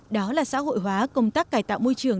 đó là xã hội hóa công tác cải tạo môi trường